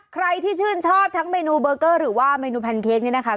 ใครที่ชื่นชอบทั้งเมนูเบอร์เกอร์หรือว่าเมนูแพนเค้กนี่นะคะ